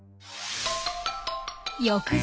翌日。